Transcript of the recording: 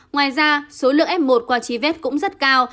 ngoài ra số lượng f một qua chi vết cũng rất cao